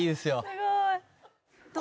すごい。